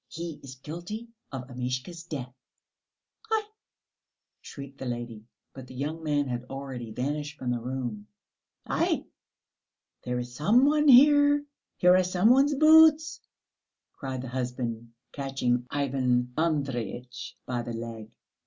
"He is guilty of Amishka's death!" "Aïe!" shrieked the lady, but the young man had already vanished from the room. "Aïe! There is some one here. Here are somebody's boots!" cried the husband, catching Ivan Andreyitch by the leg.